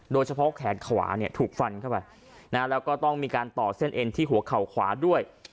แขนขวาเนี่ยถูกฟันเข้าไปแล้วก็ต้องมีการต่อเส้นเอ็นที่หัวเข่าขวาด้วย